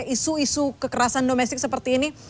isu isu kekerasan domestik seperti ini